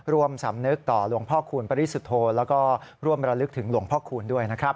สำนึกต่อหลวงพ่อคูณปริสุทธโธแล้วก็ร่วมระลึกถึงหลวงพ่อคูณด้วยนะครับ